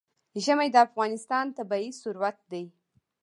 ژمی د افغانستان طبعي ثروت دی.